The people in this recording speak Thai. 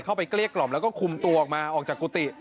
เกลี้ยกล่อมแล้วก็คุมตัวออกมาออกจากกุฏิ